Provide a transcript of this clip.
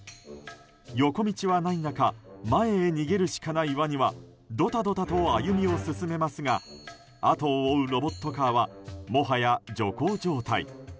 横道はない中前へ逃げるしかないワニはドタドタと歩みを進めますがあとを追うロボットカーはもはや徐行状態。